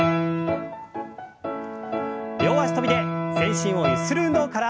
両脚跳びで全身をゆする運動から。